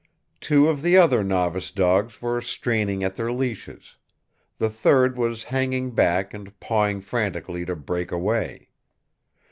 Two of the other novice dogs were straining at their leashes; the third was hanging back and pawing frantically to break away.